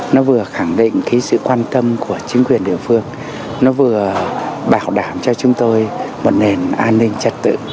nó vừa khẳng định cái sự quan tâm của chính quyền địa phương nó vừa bảo đảm cho chúng tôi một nền an ninh trật tự